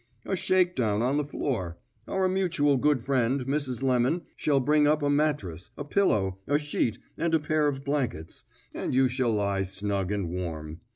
"A shake down on the floor. Our mutual good friend Mrs. Lemon shall bring up a mattress, a pillow, a sheet, and a pair of blankets, and you shall lie snug and warm.